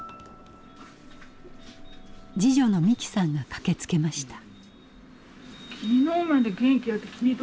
次女の美紀さんが駆けつけました。